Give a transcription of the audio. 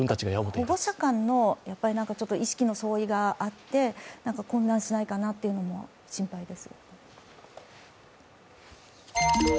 保護者間の、意識の相違があって混乱しないかなというのも心配です。